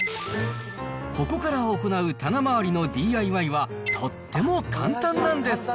ここから行う棚周りのＤＩＹは、とっても簡単なんです。